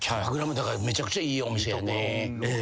めちゃくちゃいいお店やね。